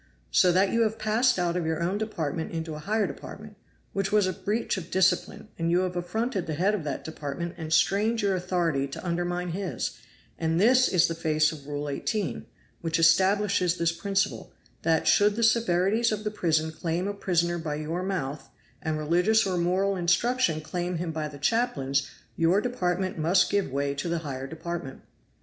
So that you have passed out of your own department into a higher department, which was a breach of discipline, and you have affronted the head of that department and strained your authority to undermine his, and this in the face of Rule 18, which establishes this principle: that should the severities of the prison claim a prisoner by your mouth, and religious or moral instruction claim him by the chaplain's, your department must give way to the higher department."